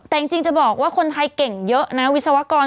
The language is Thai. แต่จริงจะบอกว่าคนไทยเก่งเยอะนะวิศวกร